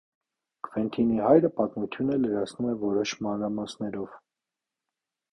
Քվենթինի հայրը պատմությունը լրացնում է որոշ մանրամասներով։